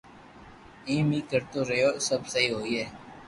ايم اي ڪرتو رھيو سب سھي ھوئي